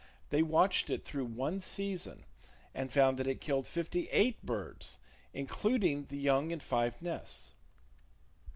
They watched it through one season, and found that it killed fifty eight birds, including the young in five nests.